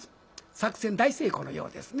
作戦大成功のようですね。